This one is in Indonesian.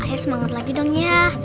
ya semangat lagi dong ya